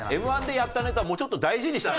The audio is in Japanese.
Ｍ−１でやったネタ。